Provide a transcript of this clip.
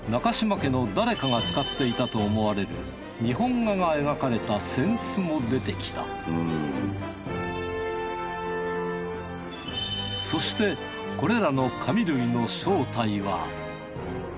家の誰かが使っていたと思われる日本画が描かれた扇子も出てきたそしてこれらの紙類の正体は。